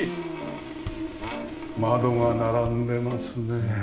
窓が並んでますね。